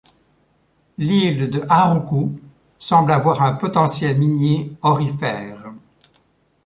L'île de Haruku semble avoir un potentiel minier aurifère.